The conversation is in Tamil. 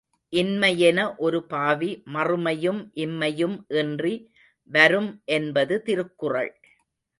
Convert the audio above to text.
இன்மை யெனஒரு பாவி மறுமையும் இம்மையும் இன்றி வரும் என்பது திருக்குறள்.